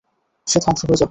সে ধ্বংস হয়ে যাবে।